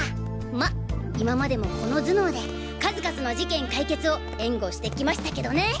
まっ今までもこの頭脳で数々の事件解決を援護してきましたけどね！